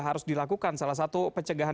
harus dilakukan salah satu pencegahan